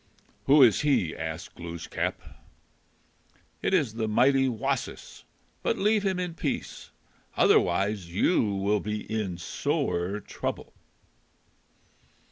"Who is he?" asked Glooskap. "It is the mighty Wasis. But leave him in peace. Otherwise you will be in sore trouble."